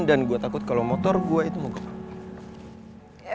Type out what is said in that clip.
dan gue takut kalau motor gue itu mau gemuk